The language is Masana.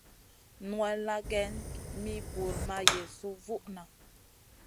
Nowella geyn mi buur ma yesu vuʼna.